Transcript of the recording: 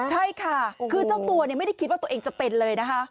ใช่ค่ะคือเจ้าตัวไม่ได้คิดว่าตัวเองจะเป็นเลยนะคะ